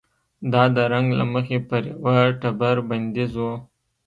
دا د رنګ له مخې پر یوه ټبر بندیز و.